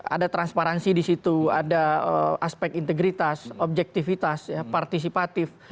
ada transparansi di situ ada aspek integritas objektivitas partisipatif